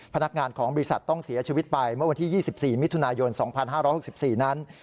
พนักงานของบริษัทต้องเสียชีวิตไปเมื่อวันที่๒๔มิถุนายน๒๕๖๔นั้น